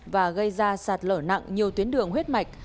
và gây ra sạt lở nặng nhiều tuyến đường huyết mạch